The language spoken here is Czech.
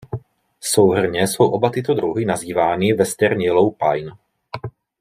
Souhrnně jsou oba tyto druhy nazývány „Western yellow pine“.